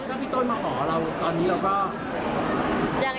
ถ้าพี่โต้นมาหอเราตอนนี้เราก็